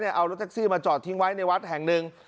เอารถแท็กซี่มาจอดทิ้งไว้ในวัดแห่งหนึ่ง